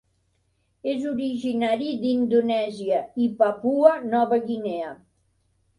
És originari d'Indonèsia i Papua Nova Guinea.